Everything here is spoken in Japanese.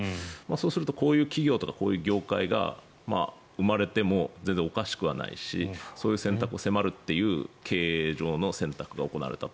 そうするとこういう企業とかこういう業界が生まれても全然おかしくはないしそういう経営が生まれる選択肢を取った。